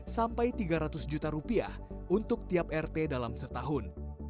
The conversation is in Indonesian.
sampai tiga ratus juta rupiah untuk tiap rt dalam setahun